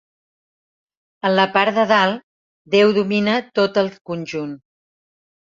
En la part de dalt, Déu domina tot el conjunt.